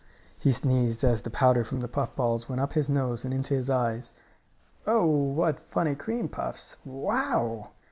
he sneezed as the powder from the puff balls went up his nose and into his eyes. "Oh, what funny cream puffs! Wow!"